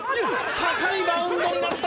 「高いバウンドになった！」